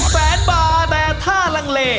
๑แฟนบาร์แต่ท่ารังเล